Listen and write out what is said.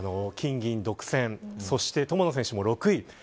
金、銀独占そして、友野選手も６位。